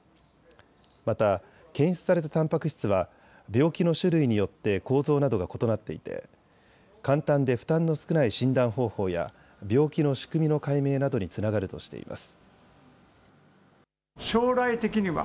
また検出されたたんぱく質は病気の種類によって構造などが異なっていて簡単で負担の少ない診断方法や病気の仕組みの解明などにつながるとしています。